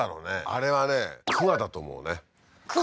あれはね桑だと思うね桑？